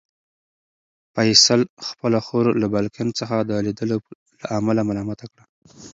فیصل خپله خور له بالکن څخه د لیدلو له امله ملامته کړه.